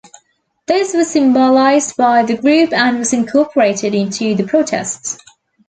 This was symbolized by the group and was incorporated into the protests.